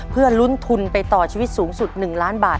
เพื่อลุ้นทุนไปต่อชีวิตสูงสุด๑ล้านบาท